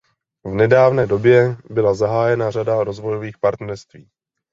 V nedávné době byla zahájena řada rozvojových partnerství.